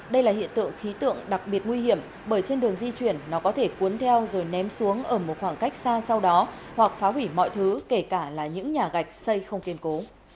đây là hiện tượng khí tượng đặc biệt nguy hiểm bởi trên đường di chuyển nó có thể cuốn theo rồi ném xuống ở một khoảng cách xa sau đó hoặc phá hủy mọi thứ kể cả là những nhà gạch xây không kiên cố